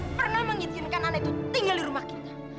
aku tidak akan pernah mengizinkan anak itu tinggal di rumah kita